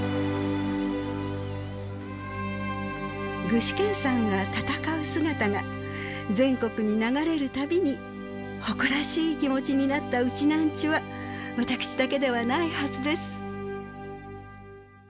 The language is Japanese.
具志堅さんが戦う姿が全国に流れる度に誇らしい気持ちになったうちなーんちゅは私だけではないはずです。